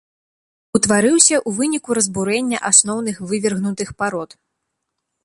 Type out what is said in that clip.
Утварыўся ў выніку разбурэння асноўных вывергнутых парод.